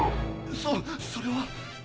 そそれは。